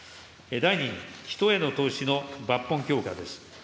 第２に人への投資の抜本強化です。